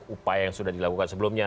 upaya yang sudah dilakukan sebelumnya